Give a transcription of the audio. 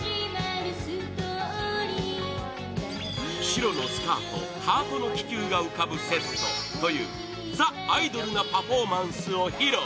白のスカート、ハートの気球が浮かぶセットという ＴＨＥ アイドルなパフォーマンスを披露